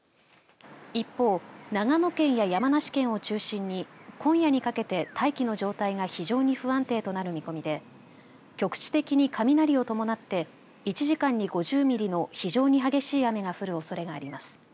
一方、長野県や山梨県を中心に今夜にかけて大気の状態が非常に不安定となる見込みで局地的に雷を伴って１時間に５０ミリの非常に激しい雨が降るおそれがあります。